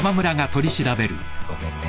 ごめんね。